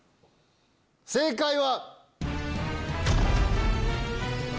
正解は！